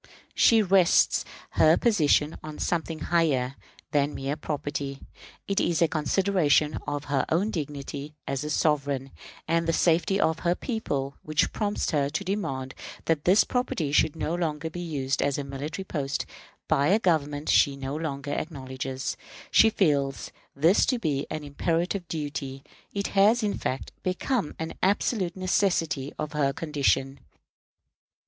She rests her position on something higher than mere property. It is a consideration of her own dignity as a sovereign, and the safety of her people, which prompts her to demand that this property should not longer be used as a military post by a Government she no longer acknowledges. She feels this to be an imperative duty. It has, in fact, become an absolute necessity of her condition.